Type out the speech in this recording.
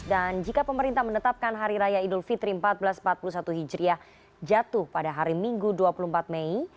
dan jika pemerintah menetapkan hari raya idul fitri seribu empat ratus empat puluh satu hijriah jatuh pada hari minggu dua puluh empat mei